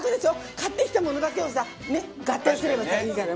買ってきたものだけをさ合体すればさいいから。